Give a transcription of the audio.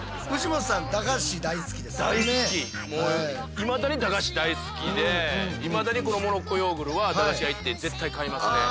いまだに駄菓子大好きでいまだにこのモロッコヨーグルは駄菓子屋行って絶対買いますね。